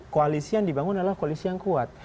koalisi yang dibangun adalah koalisi yang kuat